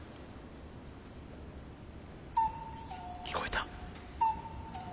聞こえた。